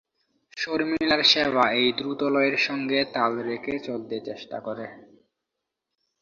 শর্মিলার সেবা এই দ্রুতলয়ের সঙ্গে তাল রেখে চলতে চেষ্টা করে।